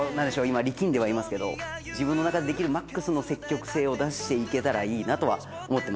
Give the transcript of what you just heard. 今力んではいますけど自分の中でできるマックスの積極性を出していけたらいいなとは思ってます。